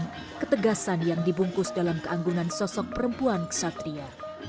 dan ketegasan yang dibungkus dalam keanggungan sosok perempuan kesatria